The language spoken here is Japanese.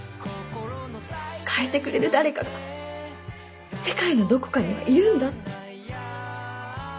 変えてくれる誰かが世界のどこかにはいるんだって。